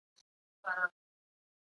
زکات د شتمنو په مال کي د فقیرانو حق دی.